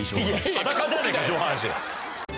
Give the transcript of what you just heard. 裸じゃねえか上半身！